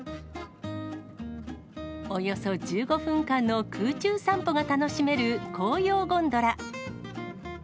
およそ１５分間の空中散歩が楽しめる、紅葉ゴンドラ。